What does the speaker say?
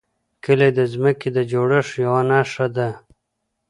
کلي د ځمکې د جوړښت یوه نښه ده.